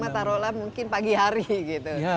taruhlah mungkin pagi hari gitu